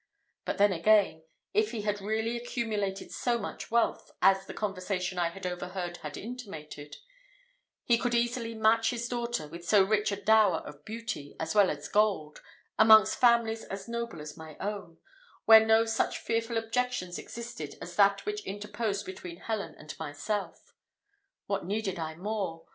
But then again, if he had really accumulated so much wealth, as the conversation I had overheard had intimated, he could easily match his daughter, with so rich a dower of beauty as well as gold, amongst families as noble as my own, where no such fearful objections existed as that which interposed between Helen and myself. What needed I more?